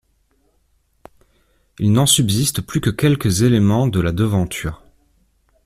Il n'en subsiste plus que quelques éléments de la devanture.